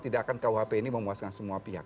tidak akan kuhp ini memuaskan semua pihak